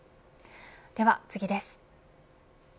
では次です。